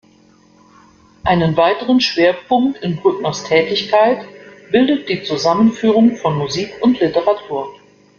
Einen weiteren Schwerpunkt in Brückners Tätigkeit bildet die Zusammenführung von Musik und Literatur.